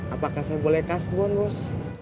apakah saya boleh kasih duit bos